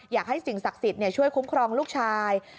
สิ่งศักดิ์สิทธิ์ช่วยคุ้มครองลูกชาย